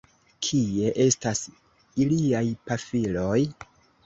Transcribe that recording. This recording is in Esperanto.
Kie estas iliaj pafiloj?